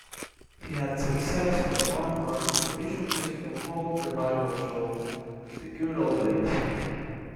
He had success on the long-running television music-hall revival show, "The Good Old Days".